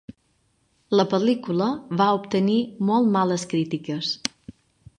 La pel·lícula va obtenir molt males crítiques.